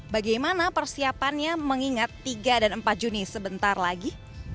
bagaimana persiapannya mengingat tiga dan empat juni sebentar lagi